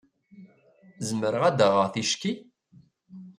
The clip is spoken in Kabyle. Zemreɣ ad d-ɣreɣ ticki?